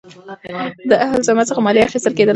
د اهل الذمه څخه مالیه اخیستل کېدلاى سي.